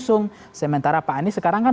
langsung sementara pak anies sekarang kan